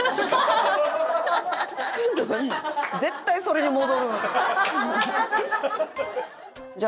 絶対それに戻る。